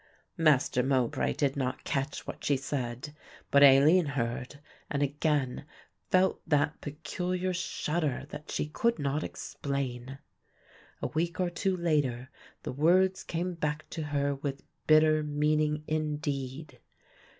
Master Mowbray did not catch what she said, but Aline heard and again felt that peculiar shudder that she could not explain. A week or two later the words came back to her with bitter meaning indeed.